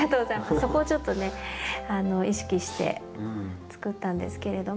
そこをちょっと意識してつくったんですけれども。